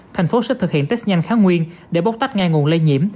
thành phố sẽ thực hiện test nhanh kháng nguyên để bốc tách ngay nguồn lây nhiễm